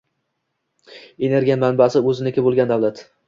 energiya manbasi o‘ziniki bo‘lgan davlat